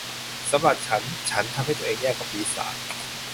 สำหรับฉันฉันทำให้ตัวเองแย่กว่าปีศาจ